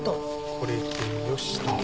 これでよしと。